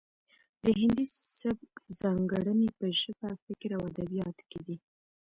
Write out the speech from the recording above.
د هندي سبک ځانګړنې په ژبه فکر او ادبیاتو کې دي